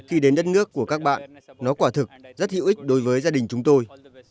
khi đến đất nước của các bạn nó quả thực rất hữu ích đối với gia đình chúng tôi